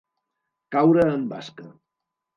Caure en basca.